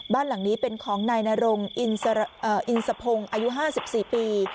บ้านหลังนี้เป็นของนายนรงอ่าอินสะพงอายุห้าสิบสี่ปี